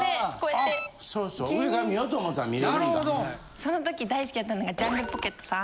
その時大好きだったのがジャングルポケットさん。